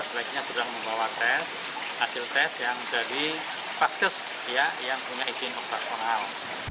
sebaiknya sudah membawa hasil test yang menjadi paskes yang punya izin operasional